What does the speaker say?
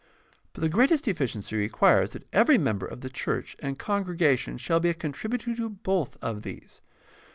But the greatest efficiency requires that every member of the church and congregation shall be a contributor to both of these.